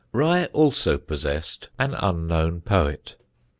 Rye also possessed an unknown poet.